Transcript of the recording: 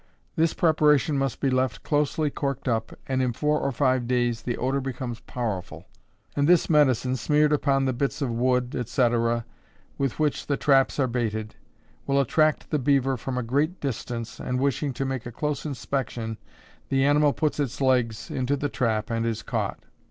This preparation must be left closely corked up, and in four or five days the odor becomes powerful; and this medicine smeared upon the bits of wood, &c., with which the traps are baited, will attract the beaver from a great distance, and wishing to make a close inspection, the animal puts its legs into the trap and is caught.